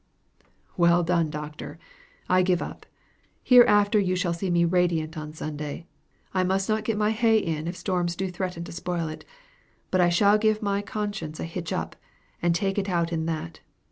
"Well done, Doctor! I give up. Hereafter you shall see me radiant on Sunday. I must not get my hay in if storms do threaten to spoil it; but I shall give my conscience a hitch up, and take it out in that.